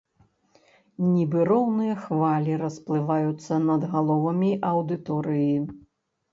Нібы роўныя хвалі расплываюцца над галовамі аўдыторыі.